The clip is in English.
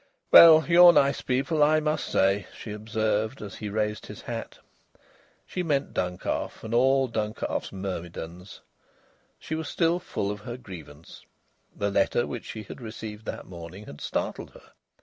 "Well, you're nice people, I must say!" she observed, as he raised his hat. She meant Duncalf and all Duncalf's myrmidons. She was still full of her grievance. The letter which she had received that morning had startled her.